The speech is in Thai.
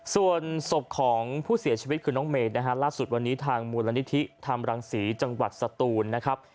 ส่วนศพของผู้เสียชีวิตคือน้องเมย์นะฮะล่าสุดวันนี้ทางมูลนิธิธรรมรังศรีจังหวัดสตูนนะครับ